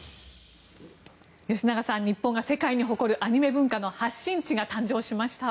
吉永さん、日本が世界に誇るアニメ文化の発信地が誕生しました。